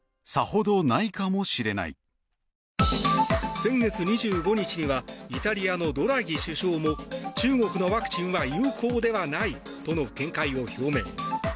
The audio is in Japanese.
先月２５日にはイタリアのドラギ首相も中国のワクチンは有効ではないとの見解を表明。